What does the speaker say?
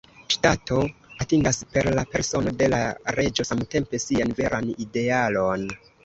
Ŝtato atingas per la persono de la reĝo samtempe sian veran idealon.